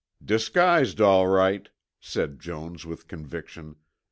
"Disguised all right," said Jones with conviction.